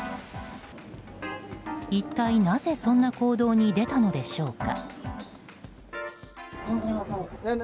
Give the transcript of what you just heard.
一体なぜそんな行動に出たのでしょうか。